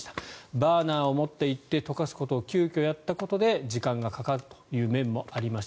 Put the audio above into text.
バーナーを持っていって溶かすことを急きょやったことで時間がかかるというところもありました。